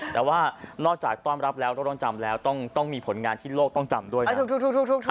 แต่ว่านอกจากต้อนรับแล้วเราต้องจำแล้วต้องมีผลงานที่โลกต้องจำด้วยนะครับ